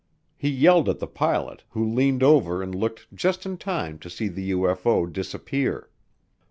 He yelled at the pilot, who leaned over and looked just in time to see the UFO disappear.